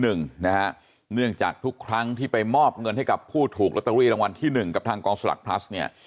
เนื่องจากทุกครั้งที่ไปมอบเงินให้กับผู้ถูกลอตเตอรี่รางวัลที่๑กับทางกองสลักพลัสเนี่ย